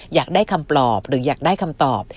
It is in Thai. อยากได้คำปลอบหรืออยากได้คำตอบ